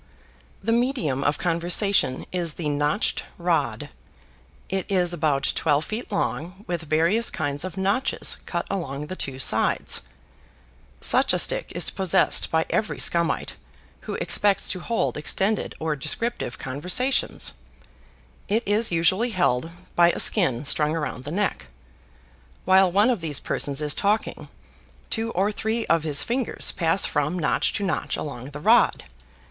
The medium of conversation is the Notched Rod. It is about twelve feet long with various kinds of notches cut along the two sides. Such a stick is possessed by every Scumite who expects to hold extended or descriptive conversations. It is usually held by a skin strung around the neck. While one of these persons is talking, two or three of his fingers pass from notch to notch along the rod.